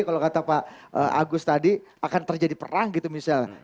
kalau kata pak agus tadi akan terjadi perang gitu misalnya